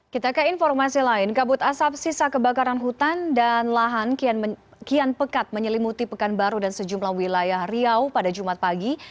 kita ke informasi lain kabut asap sisa kebakaran hutan dan lahan kian pekat menyelimuti pekanbaru dan sejumlah wilayah riau pada jumat pagi